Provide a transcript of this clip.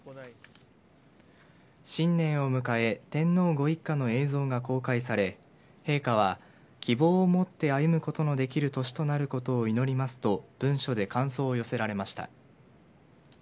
新年を迎え天皇ご一家の映像が公開され陛下は希望を持って歩むことのできる年となることを祈りますと文書で感想を寄せられました。